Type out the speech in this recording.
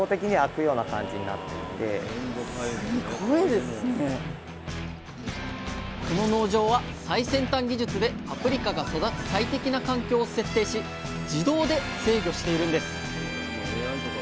だからこの農場は最先端技術でパプリカが育つ最適な環境を設定し自動で制御しているんです。